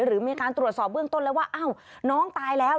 หรือมีการตรวจสอบเบื้องต้นแล้วว่าอ้าวน้องตายแล้ว